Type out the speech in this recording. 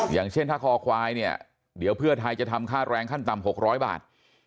อย่างเช่นถ้าคอควายเนี่ยเดี๋ยวเพื่อไทยจะทำค่าแรงขั้นต่ำ๖๐๐บาท